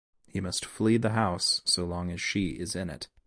He must flee the house so long as she is in it.